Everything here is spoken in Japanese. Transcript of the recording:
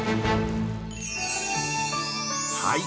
はい！